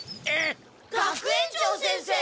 学園長先生！